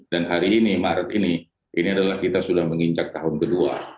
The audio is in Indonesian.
dan hari ini maret ini ini adalah kita sudah menginjak tahun kedua